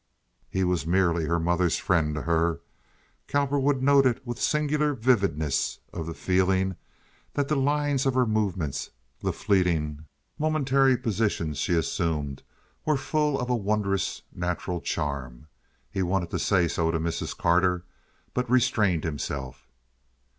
He was merely her mother's friend to her. Cowperwood noted, with singular vividness of feeling, that the lines of her movements—the fleeting, momentary positions she assumed—were full of a wondrous natural charm. He wanted to say so to Mrs. Carter, but restrained himself.